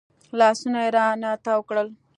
لاسونه يې رانه تاو کړل.